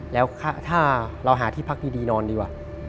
แล้วถ้าเราหาที่พักดีนอนดีกว่า